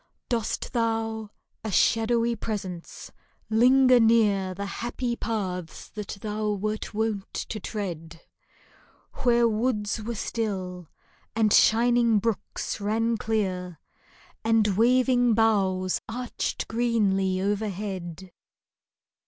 Dost thou, a shadowy presence, linger near The happy paths that thou wert wont to tread, Where woods were still, and shining brooks ran clear, And waving boughs arched greenly overhead